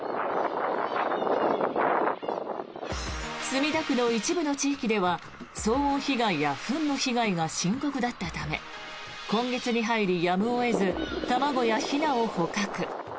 墨田区の一部の地域では騒音被害やフンの被害が深刻だったため今月に入りやむを得ず、卵やひなを捕獲。